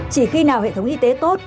chỉ khi nào hệ thống y tế tốt